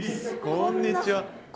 こんにちは。